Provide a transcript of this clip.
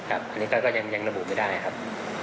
อันนี้ก็ยังระบุไม่ได้ครับ